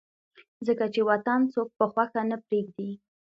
ځکه چې وطن څوک پۀ خوښه نه پريږدي